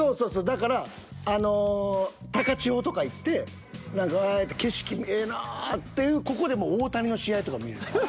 だからあの高千穂とか行って何か「ああ景色ええな」っていうここでも大谷の試合とか見れる。